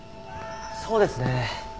そうですね。